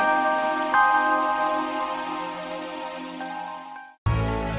selamat tidur sayang